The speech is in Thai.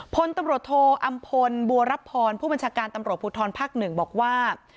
ผลตำรวจโทอำพลบัวรับพรผู้บัญชาการตำรวจผู้ทรภักดิ์หนึ่งภาคหนึ่งบอกว่า